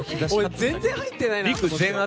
俺全然入ってないなと。